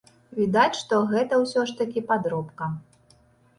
Відаць, што гэта ўсё ж такі падробка.